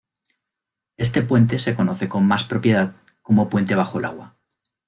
Este puente se conoce con más propiedad como puente bajo el agua.